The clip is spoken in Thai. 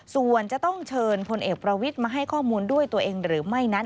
ส่วนจะต้องเชิญพลเอกประวิทย์มาให้ข้อมูลด้วยตัวเองหรือไม่นั้น